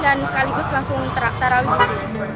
dan sekaligus langsung tarawih disini